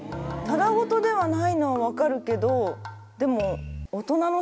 ただごとではないのは分かるけどでも。